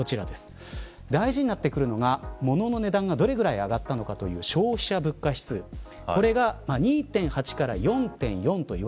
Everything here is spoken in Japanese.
大事になってくるのがものの値段がどのくらい上がったのかという消費者物価指数です。